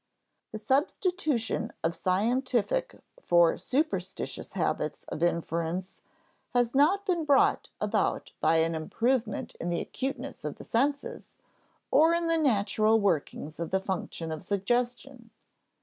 The substitution of scientific for superstitious habits of inference has not been brought about by any improvement in the acuteness of the senses or in the natural workings of the function of suggestion.